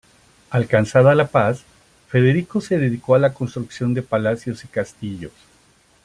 Alcanzada la paz, Federico se dedicó a la construcción de palacios y castillos.